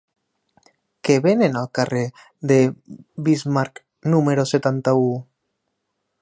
Què venen al carrer de Bismarck número setanta-u?